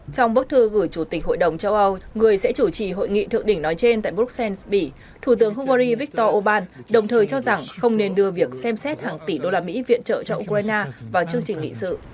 trong bức thư gửi chủ tịch hội đồng châu âu người sẽ chủ trì hội nghị thượng đỉnh nói trên tại bruxelles bỉ thủ tướng hungary viktor orbán đồng thời cho rằng không nên đưa việc xem xét hàng tỷ đô la mỹ viện trợ cho ukraine vào chương trình nghị sự